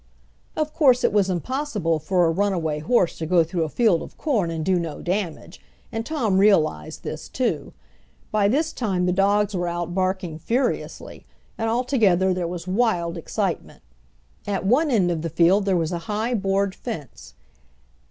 Of course it was impossible for a runaway horse to go through a field of corn and do no damage, and Tom realized this too. By this time the dogs were out barking furiously, and altogether there was wild excitement. At one end of the field there was a high board fence.